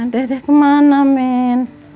deh deh kemana men